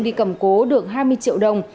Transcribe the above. đi cầm cố được hai mươi triệu đồng